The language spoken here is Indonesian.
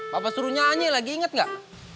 bapak suruh nyanyi lagi inget gak